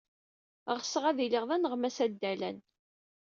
Ɣseɣ ad iliɣ d aneɣmas addalan.